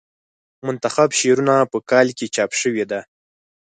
منتخب شعرونه په کال کې چاپ شوې ده.